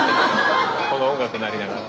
この音楽鳴りながら。